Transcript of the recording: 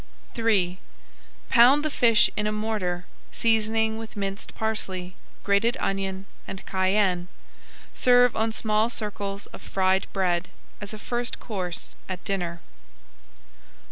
III Pound the fish in a mortar, seasoning with minced parsley, grated onion, and cayenne. Serve on small circles of fried bread, as a first course at dinner.